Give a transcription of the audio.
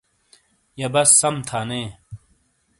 یَہہ بس سَم تھا نے۔